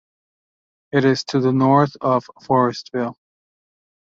It is to the north of Forestville.